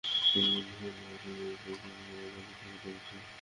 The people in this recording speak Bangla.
পরিবার দুটির সদস্যরা বলছেন, দুজনই ইসলামী ছাত্রশিবিরের রাজনীতির সঙ্গে জড়িত ছিলেন।